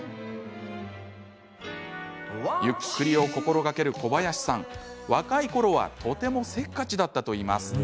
ゆっくりを心がける小林さん若いころはとてもせっかちだったといいます。